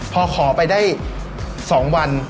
พอขอไปได้๒วัน